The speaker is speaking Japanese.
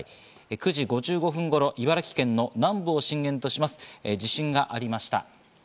９時５５分頃、茨城県の南部を震源とします地震がありました。